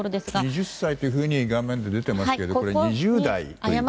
２０歳というふうに画面で出ていましたが２０代ということでね。